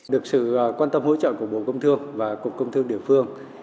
được sự quan tâm hỗ trợ của bộ công thương và cục công thương địa phương